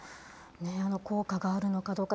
効果があるのかどうか。